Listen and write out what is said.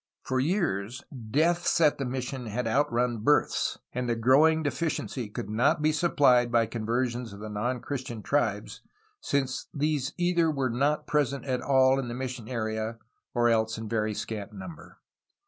For years, deaths at the missions had outrun births, and the growing deficiency could not be supplied by conversions of the non Christian tribes, since these were either not present at all in the mission area or else in very scant number.